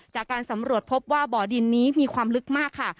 จากการสำรวจพบว่าบ่อดินนี้มีความลึกมากค่ะ